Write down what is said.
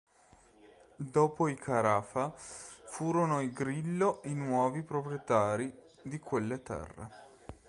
Dopo i Carafa furono i Grillo i nuovi proprietari di quelle terre.